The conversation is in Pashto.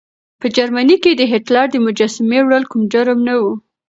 په جرمني کې د هېټلر د مجسمې وړل کوم جرم نه و.